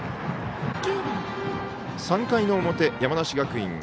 ３回の表、山梨学院。